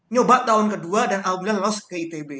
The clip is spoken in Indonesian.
nyoba tahun ke dua dan awal bilang lolos ke itb